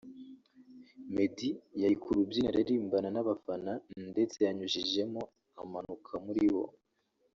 Meddy yari ku rubyiniro aririmbana n’abafana ndetse yanyujijemo amanuka muri bo